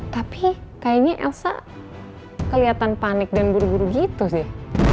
tapi kayaknya elsa kelihatan panik dan buru buru gitu sih